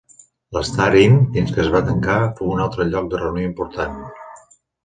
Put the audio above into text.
L'Star Inn, fins que va tancar, fou un altre lloc de reunió important.